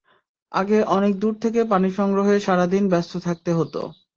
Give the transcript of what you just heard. আগে অনেক দূর থেকে পানি সংগ্রহে সারা দিন ব্যস্ত থাকতে হতো।